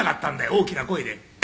大きな声で」